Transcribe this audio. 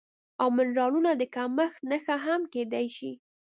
او منرالونو د کمښت نښه هم کیدی شي